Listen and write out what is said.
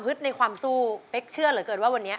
ขุนยอดขุนพอดจริง